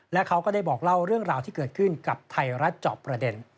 และเขาก็ได้บอกเล่าเรื่องราวที่เกิดขึ้นกับไทยรัฐเจาะประเด็น